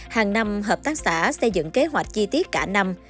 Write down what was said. hàng năm hợp tác xã xây dựng kế hoạch chi tiết cả năm